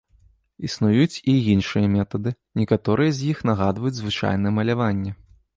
Існуюць і іншыя метады, некаторыя з іх нагадваюць звычайнае маляванне.